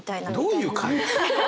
どういう。